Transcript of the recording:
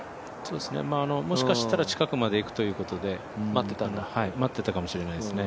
もしかしたら近くまでいくということで待ってたかもしれないですね。